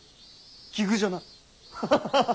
奇遇じゃな。